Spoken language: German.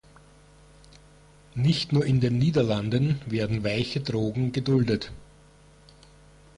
Nicht nur in den Niederlanden werden weiche Drogen geduldet.